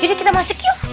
yaudah kita masuk yuk